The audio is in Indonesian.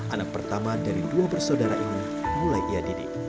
anak pertama dari dua bersaudara ini mulai ia didik